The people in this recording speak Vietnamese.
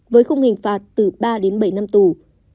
với khung hình phạt từ ba đến bảy năm tù